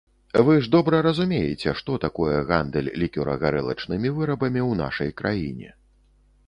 Вы ж добра разумееце, што такое гандаль лікёра-гарэлачнымі вырабамі ў нашай краіне.